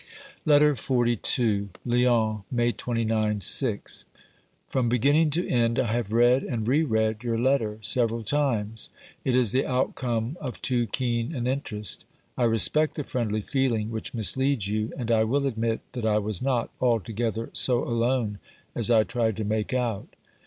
152 OBERMANN LETTER XLII Lyons, May 29 (VI). From beginning to end I have read and re read your letter several times ; it is the outcome of too keen an interest. I respect the friendly feeling which misleads you, and I will admit that I was not altogether so alone as I tried to make out.